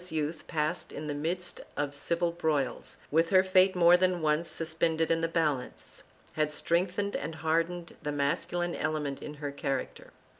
I] ISABELLA 23 bella's youth, passed in the midst of civil broils, with her fate more than once suspended in the balance, had strengthened and hardened the masculine element in her character.